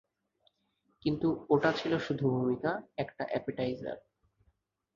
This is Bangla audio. কিন্তু ওটা ছিল শুধু ভূমিকা, একটা এপেটাইজার।